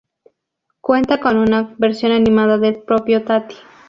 Cuenta con una versión animada del propio Tati.